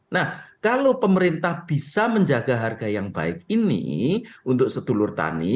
nah kalau pemerintah bisa menjaga harga yang baik ini untuk sedulur tani